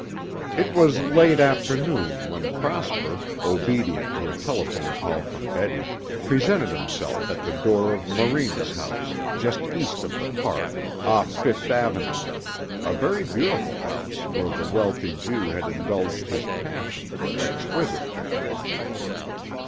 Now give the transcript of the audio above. It was late afternoon when Prosper, obedient to a telephone call from Betty, presented himself at the door of Morena's house, just east of the Park, off Fifth Avenue; a very beautiful house where the wealthy Jew had indulged his passion for exquisite things.